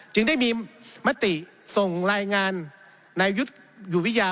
จึงได้มีมติส่งรายงานนายุทธ์อยู่วิทยา